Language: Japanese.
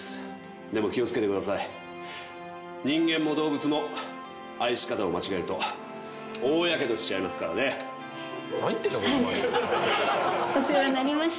気をつけてください人間も動物も愛し方を間違えると大やけどしちゃいますからねはいお世話になりました